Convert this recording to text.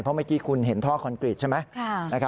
เพราะเมื่อกี้คุณเห็นท่อคอนกรีตใช่ไหม